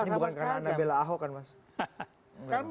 ini bukan karena nabila ahok kan mas